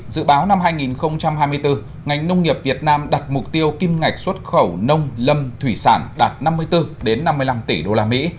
dự báo năm hai nghìn hai mươi bốn ngành nông nghiệp việt nam đặt mục tiêu kim ngạch xuất khẩu nông lâm thủy sản đạt năm mươi bốn năm mươi năm tỷ đô la mỹ